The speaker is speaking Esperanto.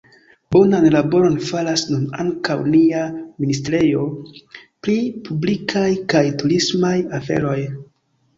Bonan laboron faras nun ankaŭ nia ministrejo pri publikaj kaj turismaj aferoj.